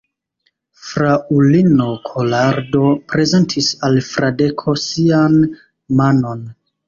Fraŭlino Kolardo prezentis al Fradeko sian manon.